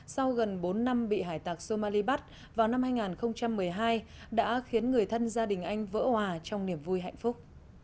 sau gần bốn năm bị hải tạc somali bắt vào năm hai nghìn một mươi hai đã khiến người thân gia đình anh vỡ hòa trong niềm vui hạnh phúc